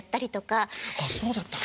ああそうだったの。